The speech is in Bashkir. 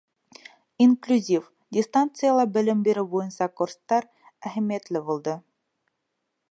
Инклюзив, дистанцияла белем биреү буйынса курстар әһәмиәтле булды.